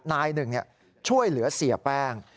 นายหนึ่งช่วยเหลือเสียแป้ง